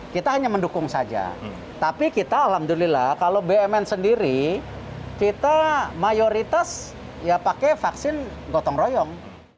kita hanya mendukung saja tapi kita alhamdulillah kalau bumn sendiri kita mayoritas ya pakai vaksin gotong royong